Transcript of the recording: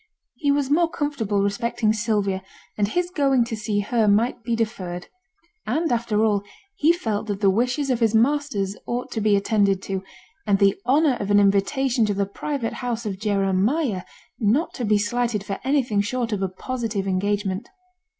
He was more comfortable respecting Sylvia, and his going to see her might be deferred; and, after all, he felt that the wishes of his masters ought to be attended to, and the honour of an invitation to the private house of Jeremiah not to be slighted for anything short of a positive engagement.